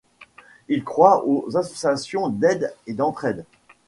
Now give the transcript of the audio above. Il croit aux associations d'aide et d'entraide.